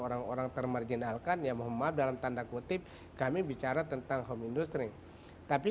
orang orang termarginalkan yang memadam tanda kutip kami bicara tentang home industry tapi